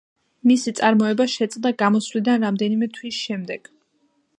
მისი წარმოება შეწყდა გამოსვლიდან რამდენიმე თვის შემდეგ.